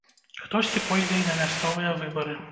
Хтосьці пойдзе і на мясцовыя выбары.